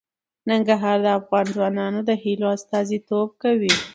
ننګرهار د افغان ځوانانو د هیلو استازیتوب کوي.